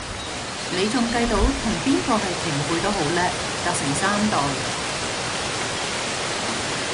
你仲計到同邊個係平輩都好叻，隔成三代